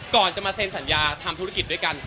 ก่อนจะมาเซ็นสัญญาทำธุรกิจด้วยกัน